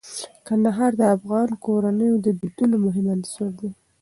کندهار د افغان کورنیو د دودونو مهم عنصر دی.